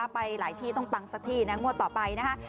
ไปหลายที่ต้องปังสักทีนะงวดต่อไปนะฮะ